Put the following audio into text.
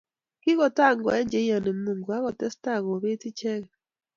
Kikotangoe cheiyoni Mungu akotes tai kobeet icheget